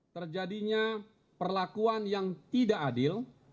terjadinya perlakuan yang tidak adil